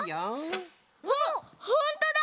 あっほんとだ！